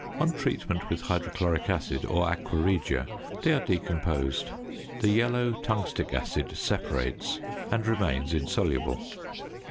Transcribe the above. On treatment with hydrochloric acid or aqua regia they are decomposed; the yellow tungstic acid separates and remains insoluble.